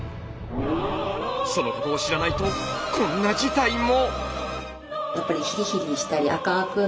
そのことを知らないとこんな事態も。